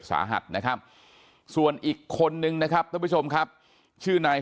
สาหัสนะครับส่วนอีกคนนึงนะครับท่านผู้ชมครับชื่อนาย